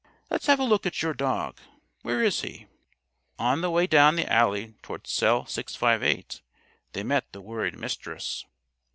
Let's have a look at your dog. Where is he?" On the way down the alley toward Cell 658 they met the worried Mistress.